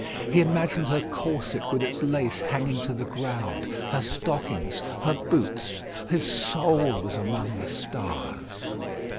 He imagined her corset with its lace hanging to the ground, her stockings, her boots. His soul was among the stars.